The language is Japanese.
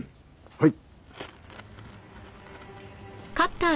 はい。